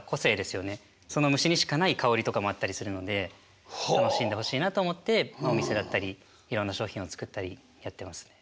その虫にしかない香りとかもあったりするので楽しんでほしいなと思ってお店だったりいろんな商品を作ったりやってますね。